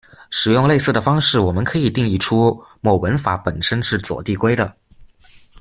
使用类似的方式我们可以定义出某文法本身是左递归的。